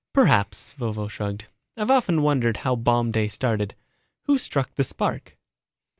"Perhaps," Vovo shrugged. "I've often wondered how Bomb Day started. Who struck the spark."